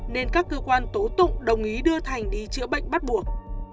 nên các cơ quan tố tụng đồng ý đưa thành đi chữa bệnh bắt buộc